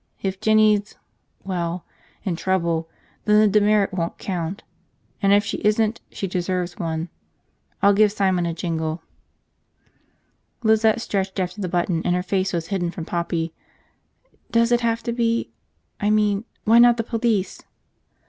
"If Jinny's – well, in trouble, then the demerit won't count. And if she isn't, she deserves one. I'll give Simon a jingle." Lizette stretched after the button and her face was hidden from Poppy. "Does it have to be – I mean, why not the police?"